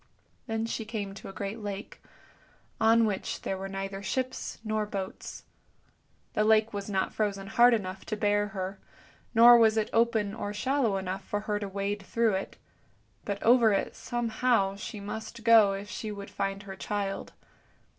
Then she came to a great lake, on which there were neither ships nor boats. The lake was not frozen hard enough to bear her, nor was it open or shallow enough for her to wade through it; but over it somehow she must go if she would find her child.